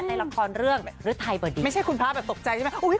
ในละครเรื่องหรือไทยเบอร์ดินไม่ใช่คุณพระแบบตกใจใช่ไหมอุ้ย